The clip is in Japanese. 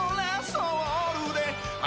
ソウルであ